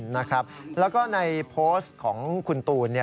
นะครับแล้วก็ในโพสต์ของคุณตูน